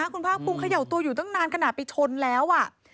คุณภาคภูมิเขย่าตัวอยู่ตั้งนานขนาดไปชนแล้ว